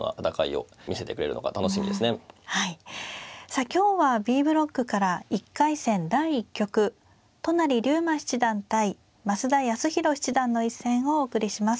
さあ今日はＢブロックから１回戦第１局都成竜馬七段対増田康宏七段の一戦をお送りします。